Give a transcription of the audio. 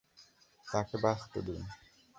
তাকে বাঁচতে দিন।